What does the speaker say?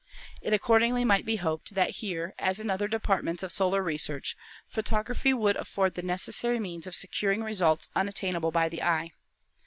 It accordingly might be hoped that here, as in other departments of solar research, photography would afford the necessary means of securing results unattainable by the eye.